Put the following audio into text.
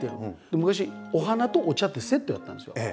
昔お花とお茶ってセットやったんですよ。